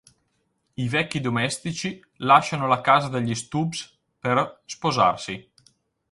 I vecchi domestici lasciano la casa degli Stubbs per sposarsi.